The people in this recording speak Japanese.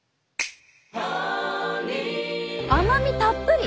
甘みたっぷり！